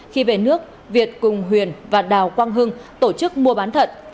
khi về nước việt cùng huyền và đào quang hưng tổ chức mua bán thận